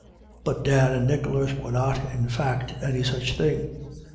But Dan and Nicholas were not, in fact, any such thing.